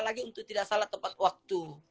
lagi untuk tidak salah tepat waktu